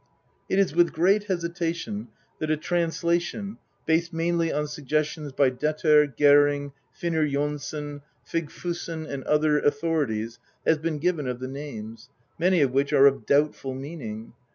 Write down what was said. It is with great hesitation that a translation (based mainly on suggestions by Detter, Gering, Finnur J6nsson, Vigfusson, and other authorities) has been given of the names, many of which are of doubtful meaning.